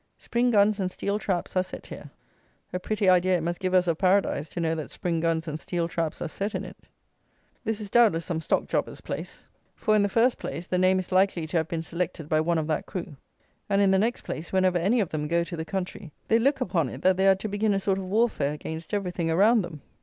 Spring guns and steel traps are set here." A pretty idea it must give us of Paradise to know that spring guns and steel traps are set in it! This is doubtless some stock jobber's place; for, in the first place, the name is likely to have been selected by one of that crew; and, in the next place, whenever any of them go to the country, they look upon it that they are to begin a sort of warfare against everything around them.